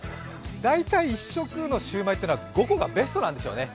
大体、１食のシウマイっていうのは５個がベストなんでしょうね。